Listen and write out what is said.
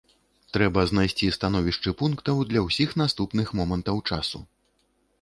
Трэба знайсці становішчы пунктаў для ўсіх наступных момантаў часу.